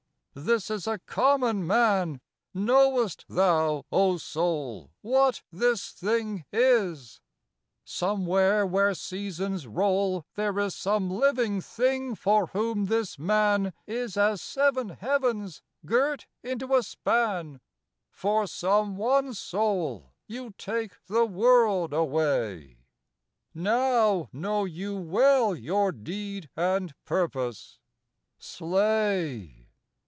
'This is a common man: knowest thou, O soul, What this thing is? somewhere where seasons roll There is some living thing for whom this man Is as seven heavens girt into a span, For some one soul you take the world away Now know you well your deed and purpose. Slay!'